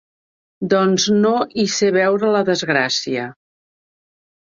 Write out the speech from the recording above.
Doncs no hi ser veure la desgracia.